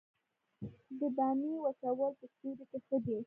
د بامیې وچول په سیوري کې ښه دي؟